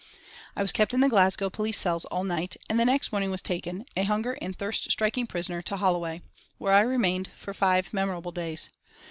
I was kept in the Glasgow police cells all night, and the next morning was taken, a hunger and thirst striking prisoner, to Holloway, where I remained for five memorable days.